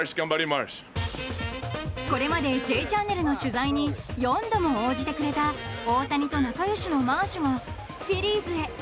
これまで「Ｊチャンネル」の取材に４度も応じてくれた大谷と仲良しのマーシュがフィリーズへ。